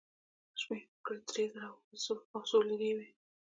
شمېر مې کړې، درې زره او څو لېرې وې.